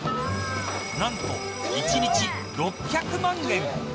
なんと１日６００万円。